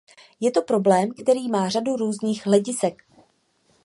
Je to problém, který má řadu různých hledisek.